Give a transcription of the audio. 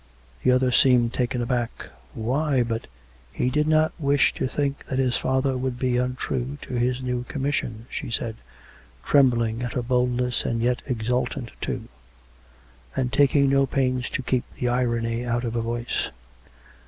The other seemed taken aback. " Why, but "" He did not wish to think that his father would be un true to his new commission," she said, trembling at her boldness and yet exultant too; and taking no pains to keep the irony out of her voice.